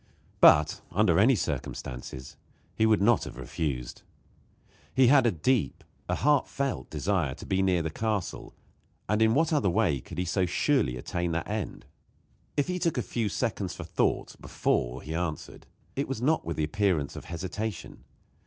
But, under any circumstances, he would not have refused. He had a deep a heartfelt desire to be near the castle; and in what other way could he so surely attain that end? If he took a few seconds for thought before he answered, it was not with the appearance of hesitation.